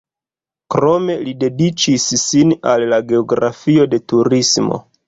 Krome li dediĉis sin al la geografio de turismo.